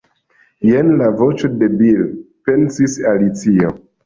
"Jen la voĉo de Bil," pensis Alicio.